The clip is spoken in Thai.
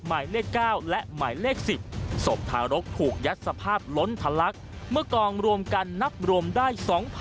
หมายเลข๙และหมายเลข๑๐ศพทารกถูกยัดสภาพล้นทะลักเมื่อกองรวมกันนับรวมได้๒๐๐๐